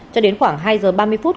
cho đến khoảng hai giờ ba mươi phút